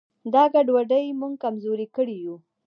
دا ګډوډي موږ کمزوري کړي یو.